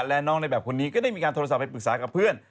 และน้องในแบบคนนี้ก็ได้มีการโทรศัพท์ไปปรึกษากับเพื่อน